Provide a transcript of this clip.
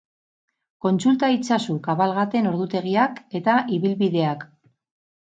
Kontsulta itzazu kabalgaten ordutegiak eta ibilbideak.